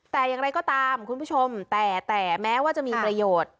แต่อย่างไรก็ตามคุณผู้ชมแต่แม้ว่าจะมีประโยชน์